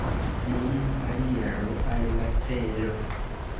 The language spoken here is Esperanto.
Nun aliru al la celo!